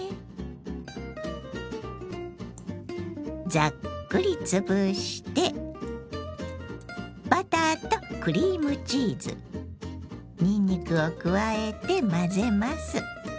ザックリつぶしてバターとクリームチーズにんにくを加えて混ぜます。